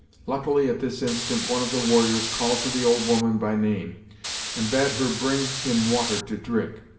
Luckily, at this instant one of the warriors called to the old woman by name, and bade her bring him water to drink.